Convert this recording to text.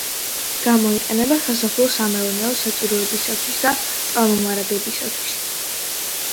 გამოიყენება სასოფლო-სამეურნეო საჭიროებისათვის და წყალმომარაგებისათვის.